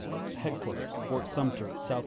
C._" "Headquarters Fort Sumter, S. C.